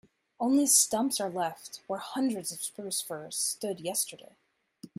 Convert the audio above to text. Only stumps are left where hundreds of spruce firs stood yesterday.